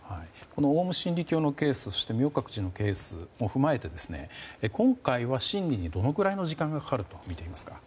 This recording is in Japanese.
オウム真理教のケースそして明覚寺のケースを踏まえて今回は審理に、どのくらいの時間がかかるとみていますか？